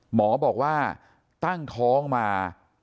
หมอบอกว่าตั้งท้องมา